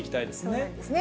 そうなんですね。